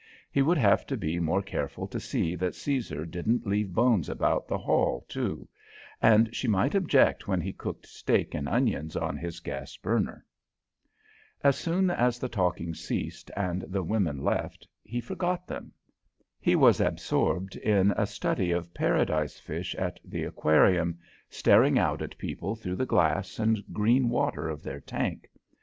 He would have to be more careful to see that Caesar didn't leave bones about the hall, too; and she might object when he cooked steak and onions on his gas burner. As soon as the talking ceased and the women left, he forgot them. He was absorbed in a study of paradise fish at the Aquarium, staring out at people through the glass and green water of their tank.